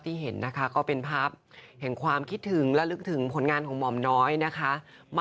คือหลักก็ขอบคุณท่านนะครับ